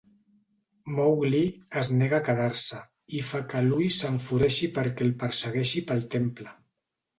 Mowgli es nega a quedar-se, i fa que Louie s'enfureixi perquè el persegueixi pel temple.